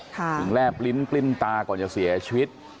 ถึงแลบลิ้นกลิ้นตาก่อนจะเสียชีวิต